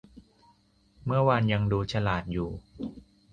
เมื่อวานยังดูฉลาดอยู่